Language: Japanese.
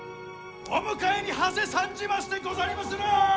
お迎えにはせ参じましてござりまする！